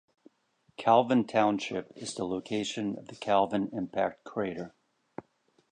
Calvin Township is the location of the Calvin impact crater.